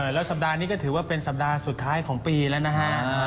แล้วสัปดาห์นี้ก็ถือว่าเป็นสัปดาห์สุดท้ายของปีแล้วนะฮะ